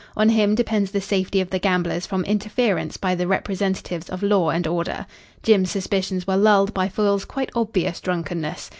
On him depends the safety of the gamblers from interference by the representatives of law and order. Jim's suspicions were lulled by Foyle's quite obvious drunkenness.